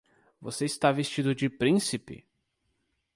Você está vestido de príncipe?